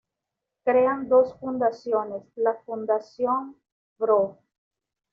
Crean dos fundaciones: la Fundación Pbro.